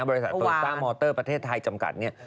บริษัทโตซ่ามอเตอร์ประเทศไทยจำกัดเนี่ย